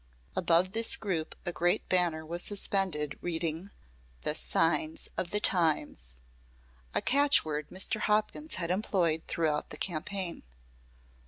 Above this group a great banner was suspended, reading: "The Signs of the Times," a catchword Mr. Hopkins had employed throughout the campaign.